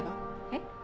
えっ？